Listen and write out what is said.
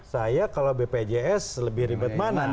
saya kalau bpjs lebih ribet mana